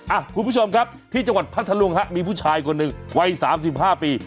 อ่ะคุณผู้ชมครับที่จังหวัดพัทธรวงฮะมีผู้ชายคนหนึ่งวัย๓๕ปี